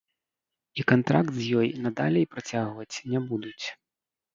І кантракт з ёй надалей працягваць не будуць.